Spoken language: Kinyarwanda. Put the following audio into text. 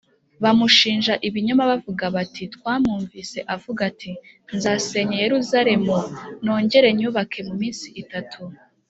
Bamushinja ibinyoma bavuga bati twamwumvise avuga ati nzasenya Yeluzalemu nongere nyubake mu minsi itatu